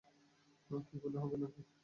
কি কুলি হবে নাকি?